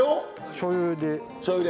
しょうゆで。